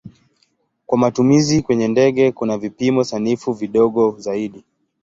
Kwa matumizi kwenye ndege kuna vipimo sanifu vidogo zaidi.